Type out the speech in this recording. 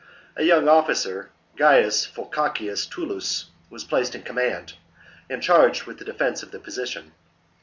A young ofificer, Gaius Volcacius Tullus, was placed in command, and charged with the defence of the position.